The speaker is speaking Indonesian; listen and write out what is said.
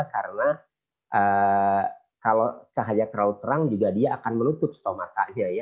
karena kalau cahaya terlalu terang juga akan memotong stomata